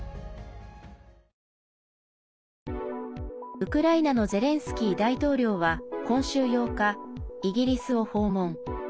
ウクライナのゼレンスキー大統領は今週８日、イギリスを訪問。